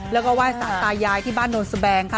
แล้วก็ว่ายศาสตร์ตายายที่บ้านโดนสุแบงค่ะ